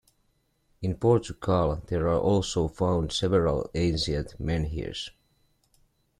In Portugal, there are also found several ancient menhirs.